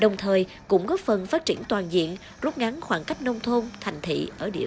đồng thời cũng góp phần phát triển toàn diện rút ngắn khoảng cách nông thôn thành thị ở địa phương